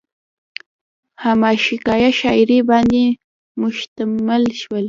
هم عشقيه شاعرۍ باندې مشتمل دي ۔